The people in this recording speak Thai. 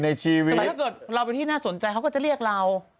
แล้วถ้าเกิดเราไปที่น่าสนใจพวกเขาก็จะเรียกเรา